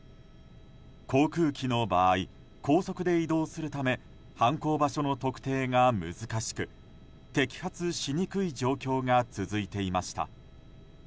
航空機の場合高速で移動するため犯行場所の特定が難しく摘発しにくい状況が続いていました。